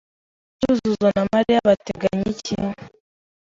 Cyuzuzo na Mariya bateganya iki?